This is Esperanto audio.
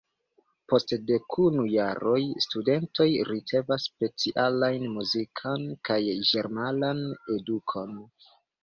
Post dekunu jaroj studentoj ricevas specialajn muzikan kaj ĝeneralan edukon.